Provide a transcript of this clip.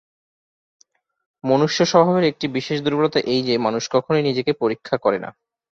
মনুষ্য-স্বভাবের একটি বিশেষ দুর্বলতা এই যে, মানুষ কখনই নিজেকে পরীক্ষা করে না।